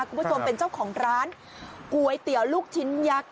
คุณผู้ชมเป็นเจ้าของร้านก๋วยเตี๋ยวลูกชิ้นยักษ์